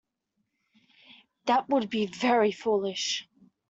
That would be very foolish.